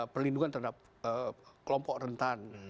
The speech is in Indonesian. perlindungan terhadap kelompok rentan